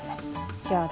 じゃあ私